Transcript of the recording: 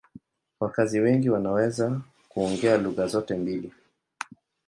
Wakazi wengi wanaweza kuongea lugha zote mbili.